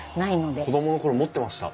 子供の頃持ってました。